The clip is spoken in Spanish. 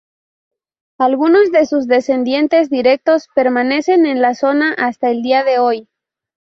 Algunos de sus descendientes directos permanecen en la zona hasta el día de hoy.